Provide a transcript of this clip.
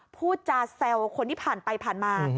พูดจาแซวคนที่ผ่านไปผ่านมา